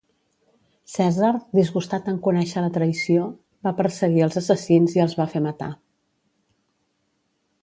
Cèsar, disgustat en conèixer la traïció, va perseguir als assassins i els va fer matar.